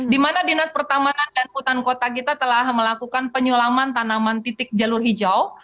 di mana dinas pertamanan dan hutan kota kita telah melakukan penyulaman tanaman titik jalur hijau